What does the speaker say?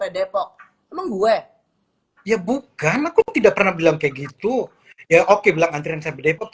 depok emang gue ya bukan aku tidak pernah bilang kayak gitu ya oke bilang antrian sampai depok